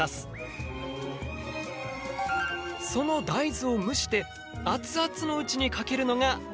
その大豆を蒸してアツアツのうちにかけるのが。